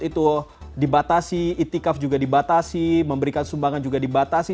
itu dibatasi itikaf juga dibatasi memberikan sumbangan juga dibatasi